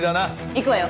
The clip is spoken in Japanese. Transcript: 行くわよ。